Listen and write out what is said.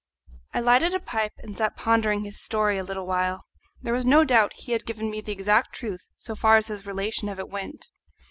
I lighted a pipe and sat pondering his story a little while. There was no doubt he had given me the exact truth so far as his relation of it went.